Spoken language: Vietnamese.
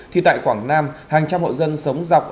thì tại quảng nam hàng trăm hộ dân sống dọc